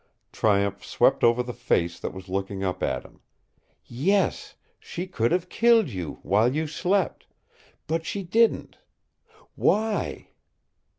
Triumph swept over the face that was looking up at him. "Yes, she could have killed you while you slept. But she didn't. WHY?"